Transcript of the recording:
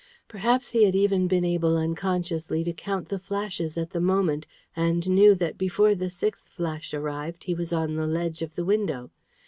Perhaps he had even been able unconsciously to count the flashes at the moment, and knew that before the sixth flash arrived he was on the ledge of the window.